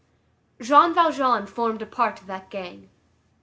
Jean Valjean formed a part of that gang.